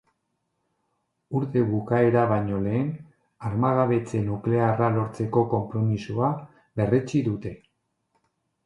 Urte bukaera baino lehen armagabetze nuklearra lortzeko konpromisoa berretsi dute.